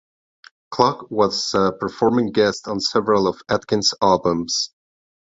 Klugh was a performing guest on several of Atkins' albums.